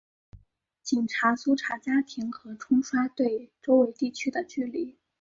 警察搜查家庭和冲刷对周围地区的距离。